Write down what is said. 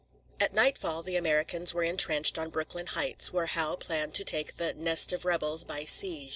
At nightfall, the Americans were intrenched on Brooklyn Heights, where Howe planned to take the "nest of rebels" by siege.